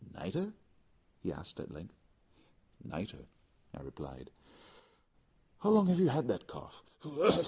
"Nitre?" he asked, at length. "Nitre," I replied. "How long have you had that cough?"